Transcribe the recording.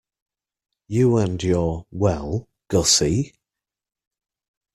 You and your 'Well, Gussie'!